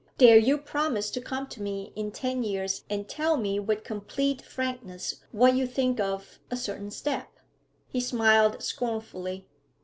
Dare you promise to come to me in ten years and tell me with complete frankness what you think of a certain step?' He smiled scornfully.